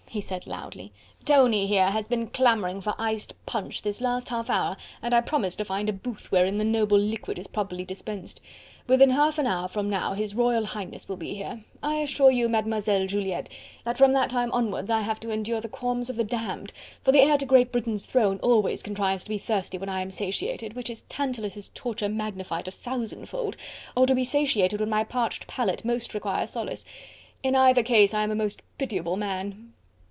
he said loudly. "Tony here has been clamouring for iced punch this last half hour, and I promised to find a booth wherein the noble liquid is properly dispensed. Within half an hour from now His Royal Highness will be here. I assure you, Mlle. Juliette, that from that time onwards I have to endure the qualms of the damned, for the heir to Great Britain's throne always contrives to be thirsty when I am satiated, which is Tantalus' torture magnified a thousandfold, or to be satiated when my parched palate most requires solace; in either case I am a most pitiable man."